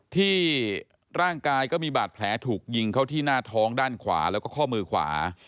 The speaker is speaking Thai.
ที่ร่างกายก็มีบาดแผลถูกยิงเข้าที่หน้าท้องด้านขวาแล้วก็ข้อมือขวา